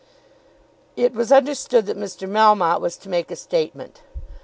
] It was understood that Mr. Melmotte was to make a statement.